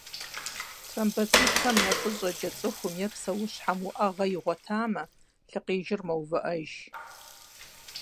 Тромбоцитхэм я фӏыщӏэкӏэ цӏыхум е псэущхьэм уӏэгъэ игъуэтамэ, лъыкъижыр мэувыӏэж.